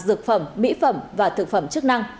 dược phẩm mỹ phẩm và thực phẩm chức năng